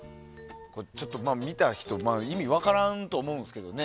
ちょっと見た人意味分からんと思うんですけどね。